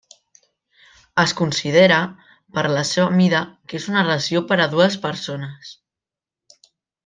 Es considera per la seva mida que és una ració per a dues persones.